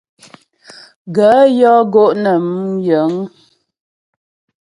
Gaə̂ yɔ́ gó' nə mú yəŋ.